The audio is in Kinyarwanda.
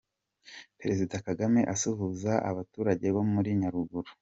Perezida Kagame asuhuza abaturage bo muri Nyaruguru.